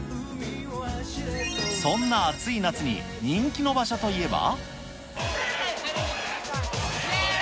そんな暑い夏に人気の場所といえば。